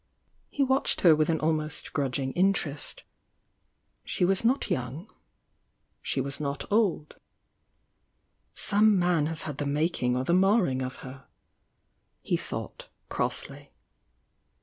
He watched her with an ahnost grudgmg mterest. She was not young,— she was not k "f°^^ i?"° ¥^^^^^^^ making or the marring of her! he thought, crossly.